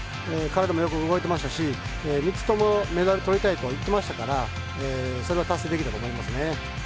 体もよく動いてましたし３つともメダルとりたいと言ってましたからそれは達成できたと思いますね。